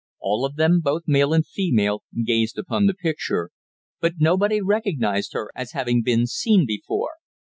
All of them, both male and female, gazed upon the picture, but nobody recognized her as having been seen before.